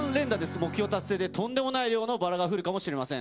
目標達成でとんでもない量のバラが降るかもしれません。